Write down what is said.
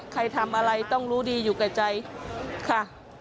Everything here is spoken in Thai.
ใครทำอะไรต้องรู้ดีอยู่กับใจค่ะ